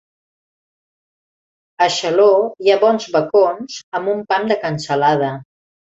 A Xaló hi ha bons bacons amb un pam de cansalada.